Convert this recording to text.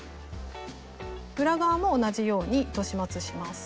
裏側も同じように糸始末します。